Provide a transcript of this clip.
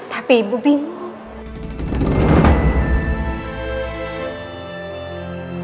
tapi ibu bingung